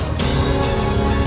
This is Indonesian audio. aku mau ke rumah